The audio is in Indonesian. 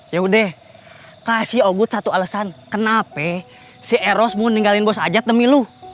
yaudah kasih ogut satu alasan kenapa si eros mau ninggalin bos ajat demi lo